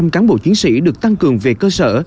một trăm linh cán bộ chiến sĩ được tăng cường về cơ sở